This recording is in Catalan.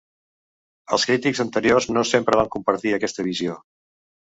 Els crítics anteriors no sempre van compartir aquesta visió.